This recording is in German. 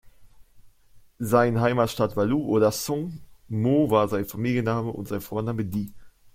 Sein Heimatstaat war Lu oder Song, Mo war sein Familienname und sein Vorname Di.